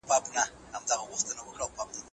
آیا د روم سقوط د نوي دور پیل و؟